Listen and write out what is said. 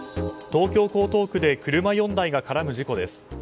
東京・江東区で車４台が絡む事故です。